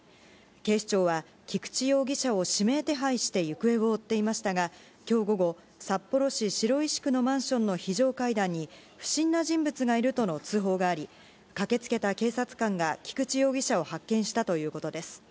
警視庁は、菊池容疑者を指名手配して行方を追っていましたが、きょう午後、札幌市白石区のマンションの非常階段に、不審な人物がいるとの通報があり、駆けつけた警察官が菊池容疑者を発見したということです。